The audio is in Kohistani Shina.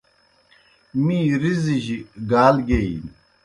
می رِزِیْجیْ گال گیئینیْ۔